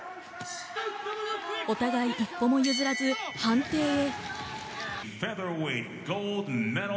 お互い一歩も譲らず判定へ。